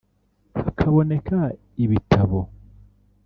hakaboneka ibitabo